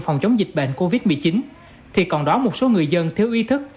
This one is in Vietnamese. phòng chống dịch bệnh covid một mươi chín thì còn đó một số người dân thiếu ý thức